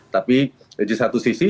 tapi di satu sisi